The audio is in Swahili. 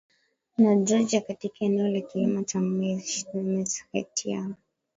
na Georgia Katika eneo la kilima cha Meskhetian